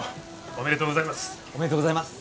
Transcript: おめでとうございます。